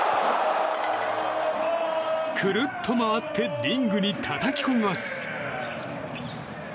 くるっと回ってリングにたたき込みます。